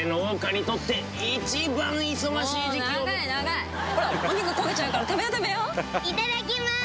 いただきます！